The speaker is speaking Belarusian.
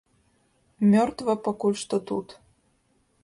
Мёртва пакуль што тут.